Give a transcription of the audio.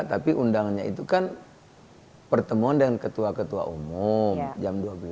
tapi undangannya itu kan pertemuan dengan ketua ketua umum jam dua belas